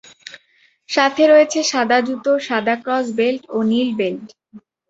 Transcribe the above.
সাথে রয়েছে সাদা জুতো, সাদা ক্রস বেল্ট ও নীল বেল্ট।